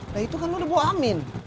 nah itu kamu udah bawa amin